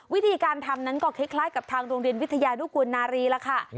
วิธีการทำนั้นก็คล้ายกับทางโรงเรียนวิทยานุกูลนารีแล้วค่ะ